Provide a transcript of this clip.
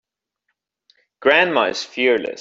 Grandma is fearless.